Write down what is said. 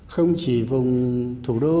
không chỉ vùng thủ đức